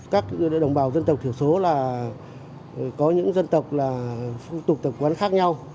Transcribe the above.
các đồng bào dân tộc thiểu số là có những dân tộc là phong tục tập quán khác nhau